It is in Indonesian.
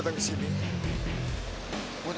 kayak lagi mainkan si e